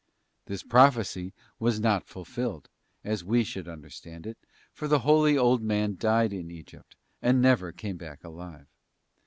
'{ This prophecy was not fulfilled as we should understand it, for the holy old man died in Egypt, and never came back alive.